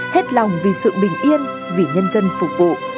hết lòng vì sự bình yên vì nhân dân phục vụ